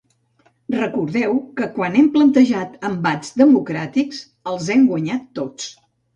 Recordeu que quan hem plantejat embats democràtics, els hem guanyat tots.